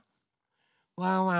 ワンワン